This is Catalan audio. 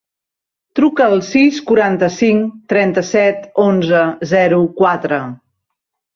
Truca al sis, quaranta-cinc, trenta-set, onze, zero, quatre.